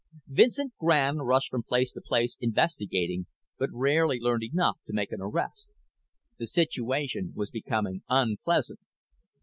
Vincent Grande rushed from place to place, investigating, but rarely learned enough to make an arrest. The situation was becoming unpleasant.